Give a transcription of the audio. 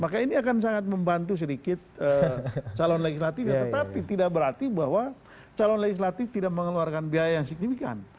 maka ini akan sangat membantu sedikit calon legislatif tetapi tidak berarti bahwa calon legislatif tidak mengeluarkan biaya yang signifikan